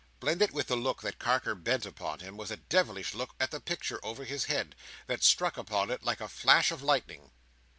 Blended with the look that Carker bent upon him, was a devilish look at the picture over his head, that struck upon it like a flash of lightning.